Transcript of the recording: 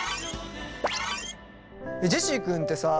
ジェシー君ってさあ。